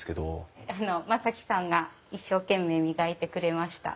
あの真己さんが一生懸命磨いてくれました。